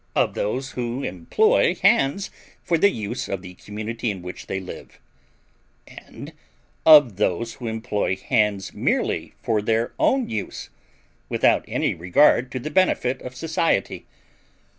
of those who employ hands for the use of the community in which they live, and of those who employ hands merely for their own use, without any regard to the benefit of society.